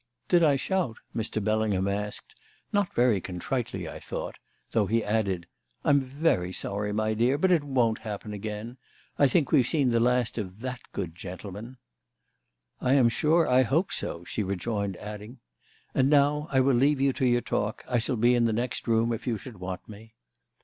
"Did I shout?" Mr. Bellingham asked, not very contritely, I thought, though he added: "I'm very sorry, my dear; but it won't happen again. I think we've seen the last of that good gentleman." "I am sure I hope so," she rejoined, adding: "And now I will leave you to your talk; I shall be in the next room if you should want me."